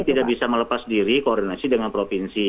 tidak bisa melepas diri koordinasi dengan provinsi